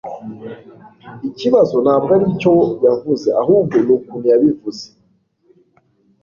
Ikibazo ntabwo aricyo yavuze ahubwo nukuntu yabivuze